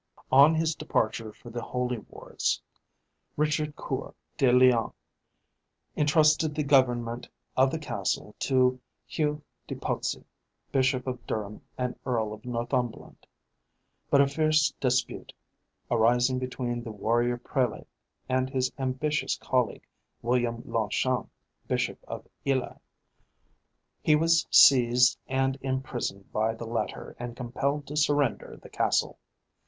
On his departure for the holy wars Richard Coeur de Lion entrusted the government of the castle to Hugh de Pudsey, Bishop of Durham and Earl of Northumberland; but a fierce dispute arising between the warrior prelate and his ambitious colleague, William Longchamp, Bishop of Ely, he was seized and imprisoned by the latter, and compelled to surrender the castle.